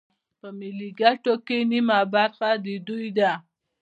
په ملي ګټو کې نیمه برخه د دوی ده